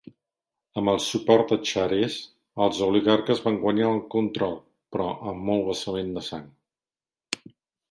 Amb el suport de Chares, els oligarques van guanyar el control, però amb molt vessament de sang.